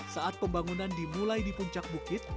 saat pembangunan dimulai di puncak bukit